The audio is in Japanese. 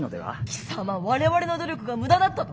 貴様我々の努力が無駄だったと？